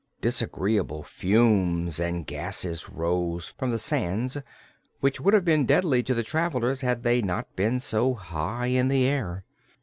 Disagreeable fumes and gases rose from the sands, which would have been deadly to the travelers had they not been so high in the air.